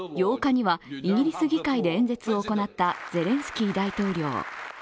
８日にはイギリス議会で演説を行ったゼレンスキー大統領。